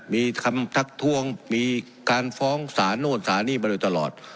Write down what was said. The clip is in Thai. มีคำทักทวงมีการฟ้องสารโน่นสารนี่มาโดยตลอด